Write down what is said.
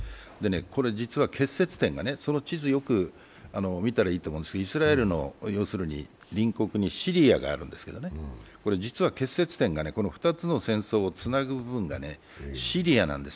これ実は結節点が、その地図をよく見たらいいと思いますがイスラエルの隣国にシリアがあるんですけど、実は結節点がこの２つの戦争をつなぐ部分がシリアなんです。